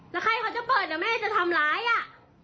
แล้วใครเขาจะเปิดนะแม่จะทำร้ายอ่ะ